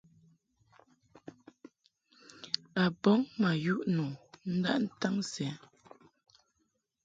A bɔŋ ma yuʼ nu ndaʼ ntaŋ sɛ.